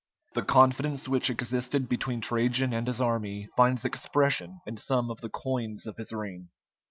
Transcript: The confidence which existed between Trajan and his army finds expression in some of the coins of his reign.